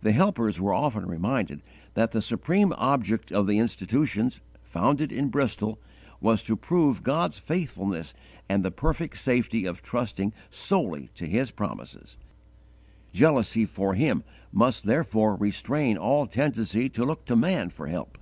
The helpers were often reminded that the supreme object of the institutions, founded in Bristol, was to prove God's faithfulness and the perfect safety of trusting solely to His promises; jealousy for Him must therefore restrain all tendency to look to man for help.